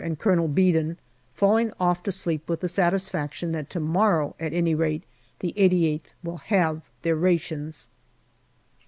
and Colonel Beadon, falling off to sleep with the satisfaction that to morrow at any rate the 88th will have their rations.